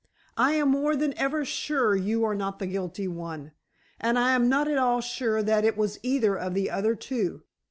I am more than ever sure you are not the guilty one—and I am not at all sure that it was either of the other two."